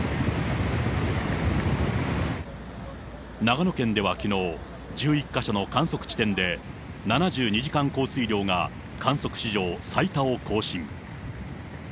長野県ではきのう、１１か所の観測地点で、７２時間降水量が観測史上最多を更新。